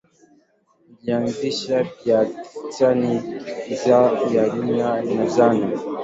Alianzisha pia taasisi za sayansi na sanaa.